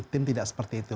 mungkin tidak seperti itu